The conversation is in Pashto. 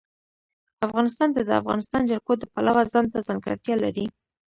افغانستان د د افغانستان جلکو د پلوه ځانته ځانګړتیا لري.